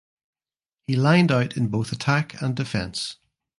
He lined out in both attack and defence.